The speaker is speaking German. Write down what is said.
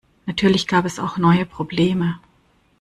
Natürlich gab es auch neue Probleme.